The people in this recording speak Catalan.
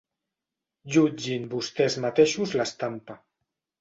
Jutgin vostès mateixos l'estampa.